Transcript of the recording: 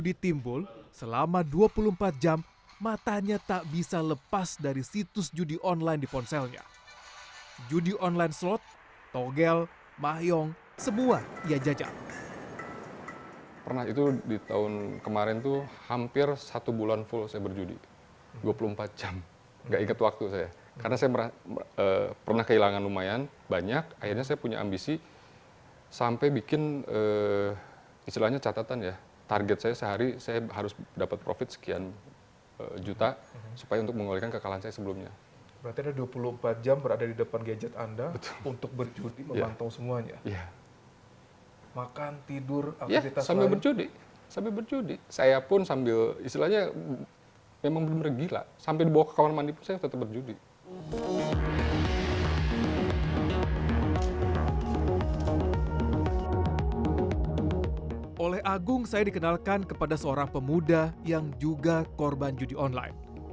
dua puluh ribu jadi dengan dua puluh ribu dan dua ratus perak sudah bisa main judi online